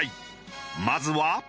まずは。